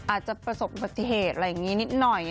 อาจจะประสบอุบัติเหตุอะไรอย่างนี้นิดหน่อย